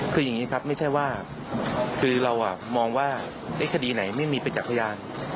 คืออย่างนี้ครับไม่ใช่ว่าคือเรามองว่าคดีไหนไม่มีประจักษ์พยาน